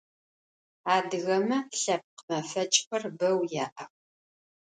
Adıgeme lhepkh mefeç'xer beu ya'ex.